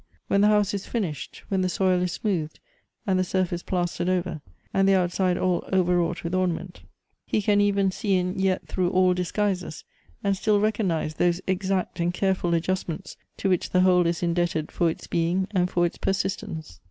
When the house is finished, when the soil is smoothed, and the surface plastered over, and the outside all overwrought with ornament, he can even see in yet through all dis guises, and still recognize those exact and careful adjustments, to which the whole is indebted for its being and for its persistence.